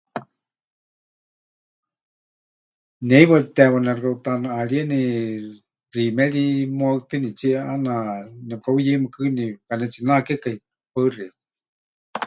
Ne heiwa teewa nexɨkaʼutanɨʼarieni xiimeri muhaɨtɨnitsie ʼaana nepɨkaheuyeimɨkɨni, pɨkanetsinakekai. Paɨ xeikɨ́a.